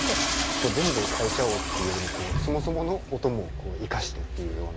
こう全部変えちゃおうっていうよりもこうそもそもの音も生かしてっていうような。